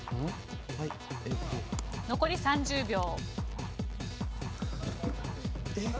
残り３０秒。